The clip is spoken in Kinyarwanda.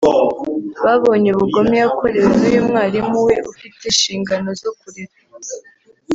babonye ubugome yakorewe n’uyu mwarimu we ufite inshingano zo kurera